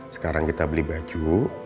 sekarang kita beli baju